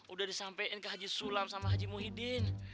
udah disampaikan ke haji sulam sama haji muhyiddin